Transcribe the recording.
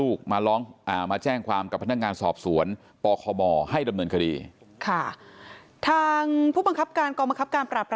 ลูกมาร้องที่อาแมาแจ้งความกับพนักงานสอบศวนปคมให้ดำเนินคดีค่ะทางผู้บังคับการกรบบังคับการปราบ